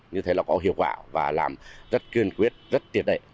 như thế là có hiệu quả và làm rất kiên quyết rất tiệt đệ